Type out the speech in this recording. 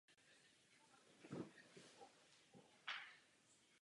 Těším se na vaši rozpravu.